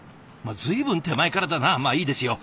随分手前からだなあまあいいですよ。